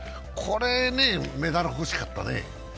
これ、メダル欲しかったね。